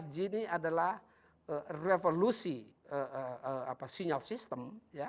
lima g ini adalah revolusi sinyal system